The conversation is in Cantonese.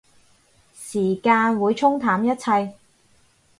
時間會沖淡一切